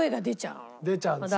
出ちゃうんですね。